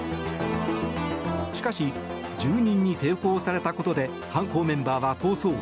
しかし、住人に抵抗されたことで犯行メンバーは逃走。